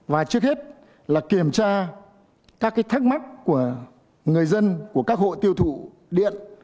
và trước hết là kiểm tra các thắc mắc của người dân của các hộ tiêu thụ điện